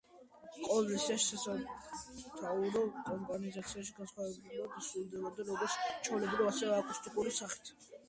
ყოველ ვერსიაში სასათაურო კომპოზიცია განსხვავებულად სრულდებოდა როგორც ჩვეულებრივი, ასევე აკუსტიკური სახით.